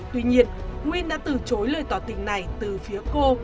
tuy nhiên nguyên đã từ chối lời tỏ tình này từ phía cô